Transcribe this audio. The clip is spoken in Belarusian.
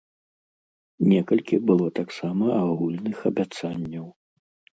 Некалькі было таксама агульных абяцанняў.